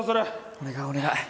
お願いお願い！